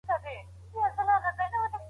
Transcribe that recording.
تاسي په خپلو خبرو کي صداقت لرئ.